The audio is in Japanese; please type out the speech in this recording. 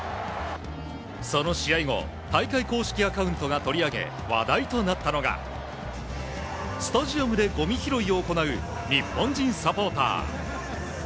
その試合後、大会公式アカウントが取り上げ、話題となったのが、スタジアムでごみ拾いを行う日本人サポーター。